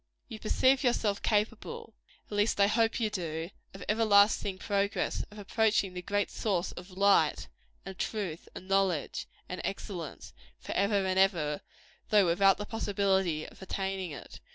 You perceive yourself capable at least I hope you do of everlasting progress; of approaching the great source of Light, and Truth, and Knowledge, and Excellence, forever and ever, though without the possibility of attaining it.